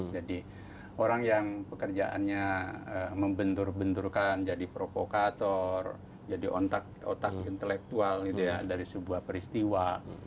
jadi orang yang pekerjaannya membentur benturkan jadi provokator jadi otak intelektual dari sebuah peristiwa